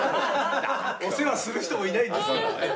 お世話する人もいないですから。